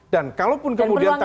dan kalaupun kemudian tadi